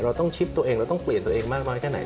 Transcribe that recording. เราต้องชิปตัวเองเราต้องเปลี่ยนตัวเองมากน้อยแค่ไหน